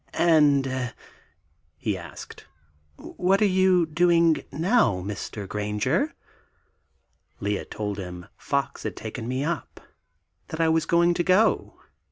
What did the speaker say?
"And ... eh ..." he asked, "what are you doing now, Mr. Granger?" Lea told him Fox had taken me up; that I was going to go.